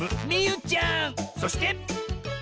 そして！